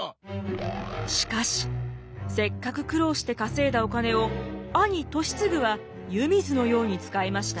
しかしせっかく苦労して稼いだお金を兄俊次は湯水のように使いました。